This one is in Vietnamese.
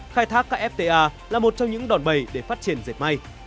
khai thác các fta là một trong những đòn bầy để phát triển dệt may